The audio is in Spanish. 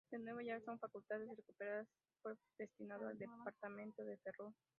De nuevo ya con sus facultades recuperadas, fue destinado al departamento de Ferrol.